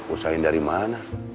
usahain dari mana